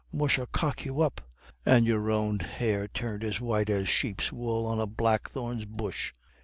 Musha cock you up. And your own hair turned as white as sheep's wool on a blackthorn bush."